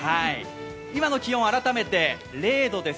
今の気温、改めて零度です。